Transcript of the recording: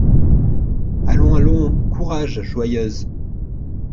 Allons, allons, courage, Joyeuse !